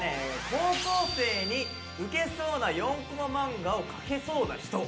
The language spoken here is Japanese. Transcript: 「高校生にウケそうな４コマ漫画を描けそうな人」です。